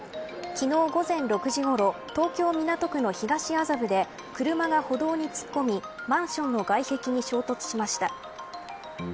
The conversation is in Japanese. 昨日、午前６時ごろ東京、港区の東麻布で車が歩道に突っ込みマンションの外壁に衝突しました。